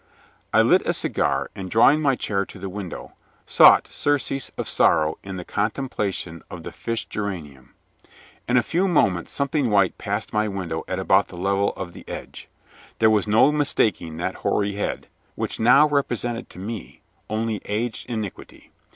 I lit a cigar, and, drawing my chair to the window, sought surcease of sorrow in the contemplation of the fish geranium. In a few moments something white passed my window at about the level of the edge. There was no mistaking that hoary head, which now represented to me only aged iniquity.